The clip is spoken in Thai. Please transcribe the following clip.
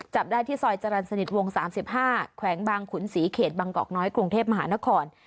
จับได้ที่ซอยจรรย์สนิทวง๓๕แขวงบางขุนศรีเขตบางกอกน้อยกรุงเทพมหานคร